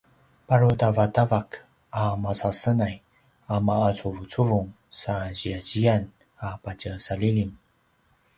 parutavatavak a masasenay a ma’acuvucuvung sa ziyaziyan a patjesalilim